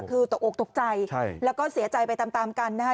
คือตกอกตกใจแล้วก็เสียใจไปตามตามกันนะฮะ